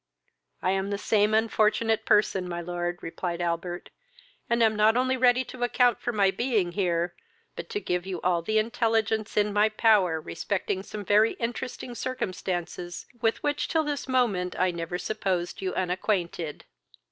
"I am the same unfortunate person, my lord, (replied Albert;) and am not only ready to account for my being here, but to give you all the intelligence in my power respecting some very interesting circumstances with which till this moment I never supposed you unacquainted.